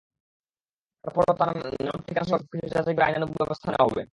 তার পরও তাঁর নাম-ঠিকানাসহ সবকিছু যাচাই করে আইনানুগ ব্যবস্থা নেওয়া হবে।